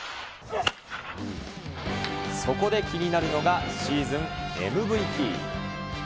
そこで気になるのが、シーズンＭＶＰ。